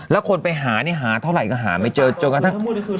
แล้วคนไปหานี่หาเท่าไหร่ก็หาไม่เจอจนกระทั่ง